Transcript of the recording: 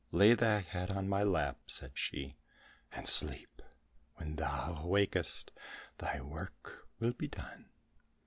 "Lay thy head on my lap," said she, "and sleep; when thou awakest, thy work will be done."